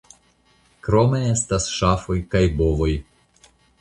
Krome estas ŝafoj kaj bovoj.